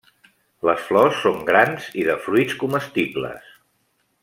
Les flors són grans, i de fruits comestibles.